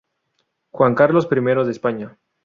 Juan Carlos I de España.